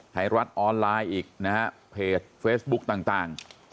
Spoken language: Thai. ไทยรัฐออนไลน์อีกนะฮะเพจเฟซบุ๊กต่าง